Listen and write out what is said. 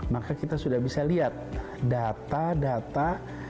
maka kita sudah bisa lihat data data